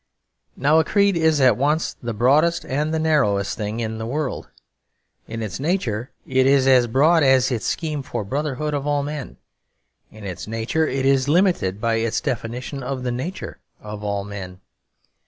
Now a creed is at once the broadest and the narrowest thing in the world. In its nature it is as broad as its scheme for a brotherhood of all men. In its nature it is limited by its definition of the nature of all men.